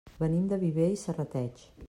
Venim de Viver i Serrateix.